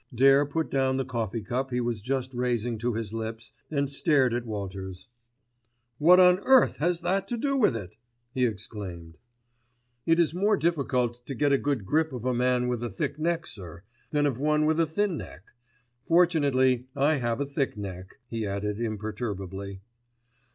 Dare put down the coffee cup he was just raising to his lips and stared at Walters. "What on earth has that to do with it?" he exclaimed. "It is more difficult to get a good grip of a man with a thick neck, sir, than of one with a thin neck. Fortunately I have a thick neck," he added imperturbably.